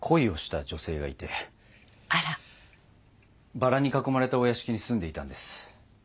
バラに囲まれたお屋敷に住んでいたんです。